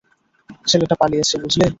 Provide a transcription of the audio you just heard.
ছেলেটা পালিয়েছে, বুঝলে?